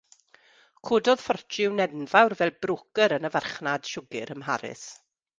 Cododd ffortiwn enfawr fel brocer yn y farchnad siwgr ym Mharis.